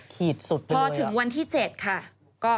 ขีดสุดไปเลยอะพอถึงวันที่๗ค่ะ